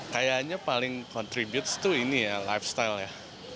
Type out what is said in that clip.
kayaknya paling contribute tuh ini ya lifestyle ya